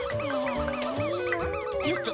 よっと！